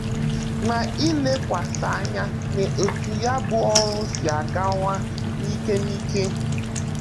n'ilekwasa anya n'etu ya bụ ọrụ si agawanye n'iké n'iké.